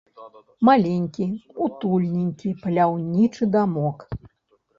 Маленькі, утульненькі паляўнічы дамок.